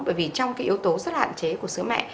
bởi vì trong cái yếu tố rất là hạn chế của sữa mẹ